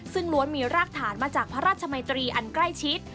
ซึ่งล้วนมีรากฐานมาจากพระราชมัยตรีอันใกล้ชิด